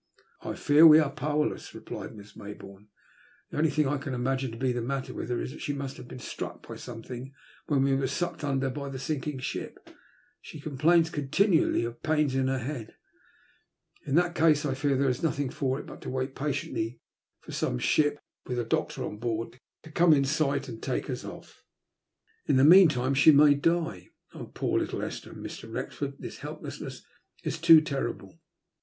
'' I fear we are powerless," replied Miss Mayboome. " The only thing I can imagine to be the matter with her is that she must have been struck by something when we were sucked under by the sinking ship. She complains continually of pains in her head." *' In that case, I fear there is nothing for it but to wait patiently for some ship, with a doctor on board, to come in sight and take us off." In the meantime, she may die. Oh, poor little Esther 1 Mr. Wrexford, this helplessness is too ter rible."